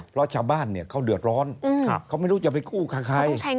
เพราะชาวบ้านเขาเดือดร้อนเขาไม่รู้จะไปกู้กับใคร